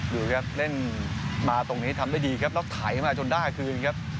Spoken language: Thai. ดูครับเล่นมาตรงนี้ทำได้ดีครับแล้วไถมาจนด้าคืนครับ